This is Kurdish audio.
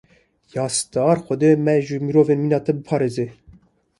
Ya star! Xwedê me ji mirovên mîna te biparêze.